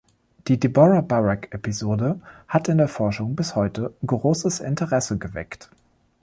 Die Debora-Barak-Episode hat in der Forschung bis heute großes Interesse geweckt.